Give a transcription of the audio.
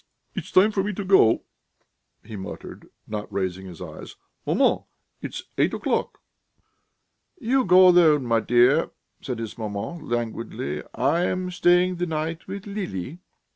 it's time for me to go," he muttered, not raising his eyes. "Maman, it's eight o'clock!" "You go alone, my dear," said his maman languidly. "I am staying the night with Lili.